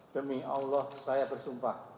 demi allah saya bersumpah